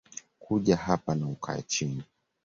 Kuja hapa na ukae chini